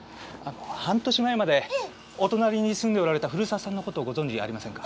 半年前までお隣に住んでおられた古沢さんの事をご存じありませんか？